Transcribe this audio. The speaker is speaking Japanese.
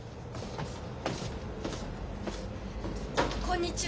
こんにちは。